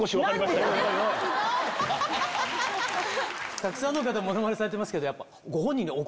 たくさんの方モノマネされてますけど。